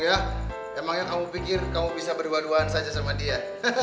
emangnya kamu pikir kamu bisa berduaan saja sama dia